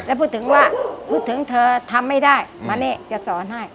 แล้วพูดถึงว่าพูดถึงเธอทำไม่ได้มาแน่จะสอนให้